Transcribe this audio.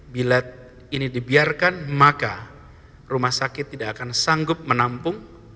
bila ini dibiarkan maka rumah sakit tidak akan sanggup menampung